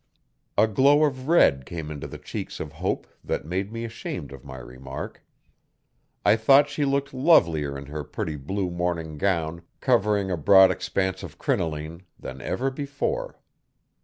A glow of red came into the cheeks of Hope that made me ashamed of my remark. I thought she looked lovelier in her pretty blue morning gown, covering a broad expanse of crinoline, than ever before.